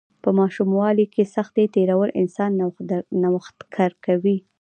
په ماشوموالي کې سختۍ تیرول انسان نوښتګر کوي.